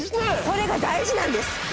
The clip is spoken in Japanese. それが大事なんです。